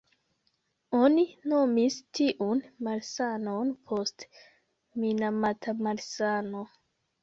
Oni nomis tiun malsanon poste Minamata-malsano.